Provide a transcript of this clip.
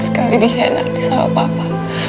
sekali dihianati sama papa